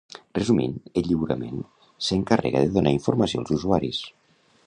Resumint, el lliurament s'encarrega de donar informació als usuaris.